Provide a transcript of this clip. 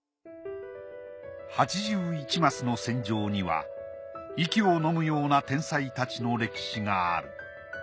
８１マスの戦場には息をのむような天才たちの歴史がある。